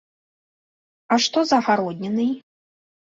А што з агароднінай?